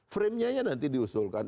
framenya nanti diusulkan